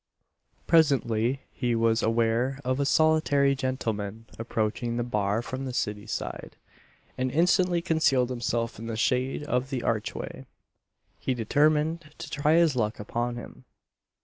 Presently he was aware of a solitary gentleman approaching the Bar from the city side; and instantly concealed himself in the shade of the archway, he determined to try his luck upon him.